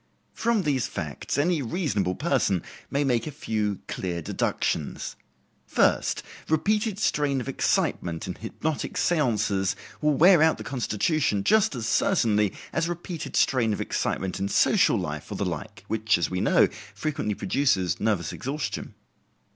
From these facts any reasonable person may make a few clear deductions. First, repeated strain of excitement in hypnotic seances will wear out the constitution just as certainly as repeated strain of excitement in social life, or the like, which, as we know, frequently produces nervous exhaustion.